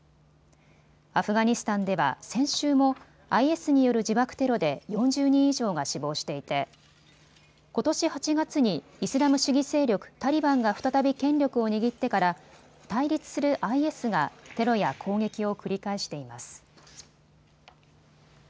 アフガニスタンでは先週もＩＳによる自爆テロで４０人以上が死亡していてことし８月にイスラム主義勢力タリバンが再び権力を握ってから対立するＩＳがテロや攻撃を繰り返しています。